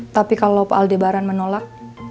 tapi kalau pak aldebaran menolak